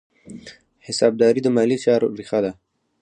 حسابداري د مالي چارو ریښه ده.